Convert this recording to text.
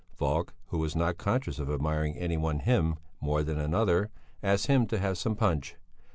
Falk, who was not conscious of admiring any one hymn more than another, asked him to have some punch.